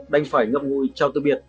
đành phải ngập ngôi trao tư biệt